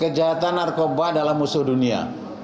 kejahatan narkoba adalah musuh dunia